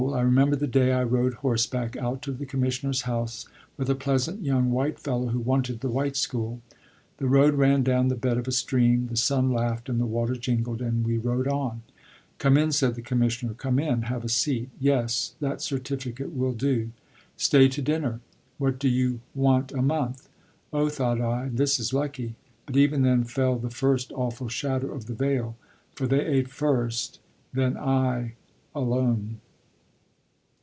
I remember the day I rode horseback out to the commissioner's house with a pleasant young white fellow who wanted the white school. The road ran down the bed of a stream; the sun laughed and the water jingled, and we rode on. "Come in," said the commissioner, "come in. Have a seat. Yes, that certificate will do. Stay to dinner. What do you want a month?" "Oh," thought I, "this is lucky"; but even then fell the first awful shadow of the Veil, for they ate first, then I alone.